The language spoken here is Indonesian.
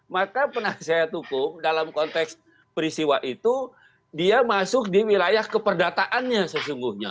maka penasihat hukum dalam konteks peristiwa itu dia masuk di wilayah keperdataannya sesungguhnya